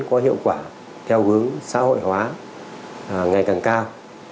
kết quả theo hướng xã hội hóa ngày càng cao